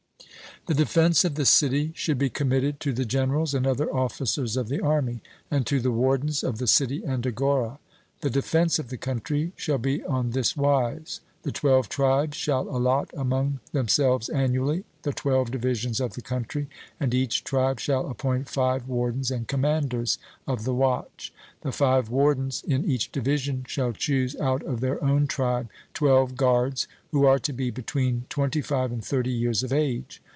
The defence of the city should be committed to the generals and other officers of the army, and to the wardens of the city and agora. The defence of the country shall be on this wise: The twelve tribes shall allot among themselves annually the twelve divisions of the country, and each tribe shall appoint five wardens and commanders of the watch. The five wardens in each division shall choose out of their own tribe twelve guards, who are to be between twenty five and thirty years of age.